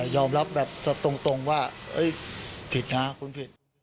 ยอมรับแบบตรงว่าผิดนะคุณผิด